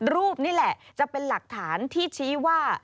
รูปนี่แหละจะเป็นหลักฐานที่ชี้ว่า